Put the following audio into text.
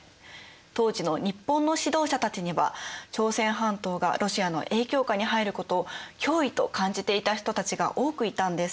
当時の日本の指導者たちには朝鮮半島がロシアの影響下に入ることを脅威と感じていた人たちが多くいたんです。